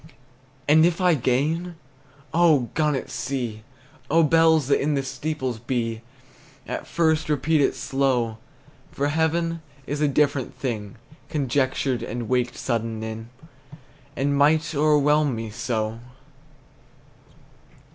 And if I gain, oh, gun at sea, Oh, bells that in the steeples be, At first repeat it slow! For heaven is a different thing Conjectured, and waked sudden in, And might o'erwhelm me so!